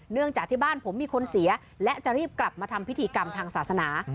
จากที่บ้านผมมีคนเสียและจะรีบกลับมาทำพิธีกรรมทางศาสนา